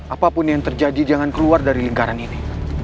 apapun yang terjadi jangan keluar dari lingkaran ini